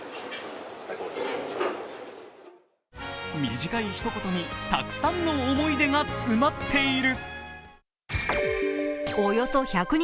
短いひと言にたくさんの思い出が詰まっている。